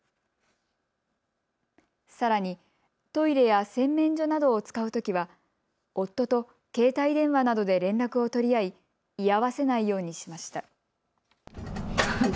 さらにトイレや洗面所などを使うときは夫と携帯電話などで連絡を取り合い居合わせないようにしました。